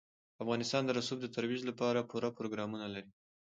افغانستان د رسوب د ترویج لپاره پوره پروګرامونه لري.